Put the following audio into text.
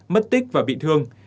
mất tích và bị thương